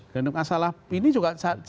dan masalah ini juga